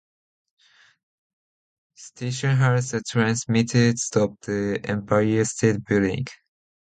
The station has a transmitter atop the Empire State Building.